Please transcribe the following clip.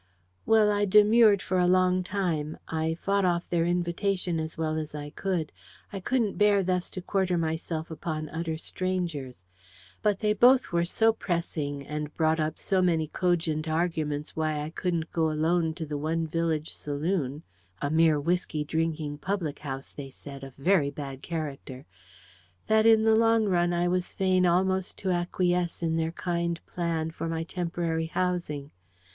Well, I demurred for a long time; I fought off their invitation as well as I could: I couldn't bear thus to quarter myself upon utter strangers. But they both were so pressing, and brought up so many cogent arguments why I couldn't go alone to the one village saloon a mere whisky drinking public house, they said, of very bad character, that in the long run I was fain almost to acquiesce in their kind plan for my temporary housing.